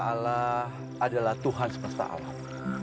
allah adalah tuhan semesta alam